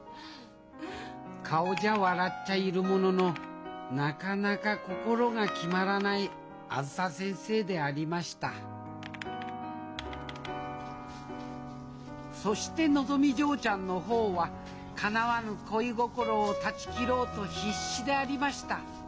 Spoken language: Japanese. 顔じゃ笑っちゃいるもののなかなか心が決まらないあづさ先生でありましたそしてのぞみ嬢ちゃんの方はかなわぬ恋心を断ち切ろうと必死でありました。